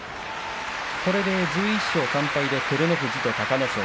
これで１１勝３敗は照ノ富士と隆の勝。